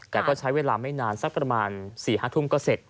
แต่ก็ใช้เวลาไม่นานสักประมาณ๔๕ทุ่มก็เสร็จ